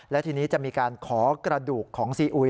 และทีนี้จะมีการขอกระดูกของซีอุย